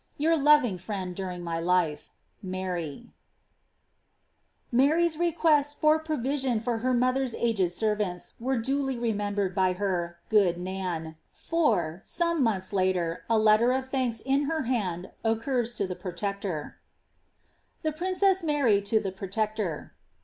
Tour loving friend during my life, Mary^s requests for proYision for her mother's aged senrants were duly remembered by her ^ good Nann ;'' for, some months later, i let ter of thanks in her hand occurs to the protector :—■ Tkk PaiircKss Mamt to tkk Pbotkctob.